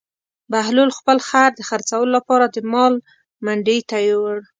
بهلول خپل خر د خرڅولو لپاره د مال منډي ته یووړ.